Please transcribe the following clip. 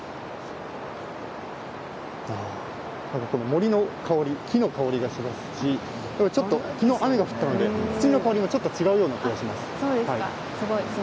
森の香り、木の香りがしますし昨日、雨が降ったので土の香りもちょっと違うような気がします。